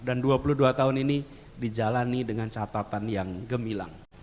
dan dua puluh dua tahun ini dijalani dengan catatan yang gemilang